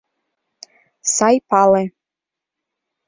Сай пале.